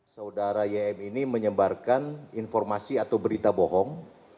saudara ym ini menyebarkan informasi atau berita bohong